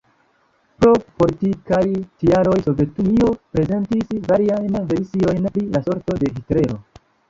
Pro politikaj tialoj, Sovetunio prezentis variajn versiojn pri la sorto de Hitlero.